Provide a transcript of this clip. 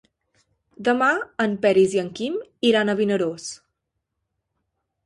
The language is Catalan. Demà en Peris i en Quim iran a Vinaròs.